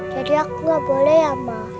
jadi aku gak boleh ya ma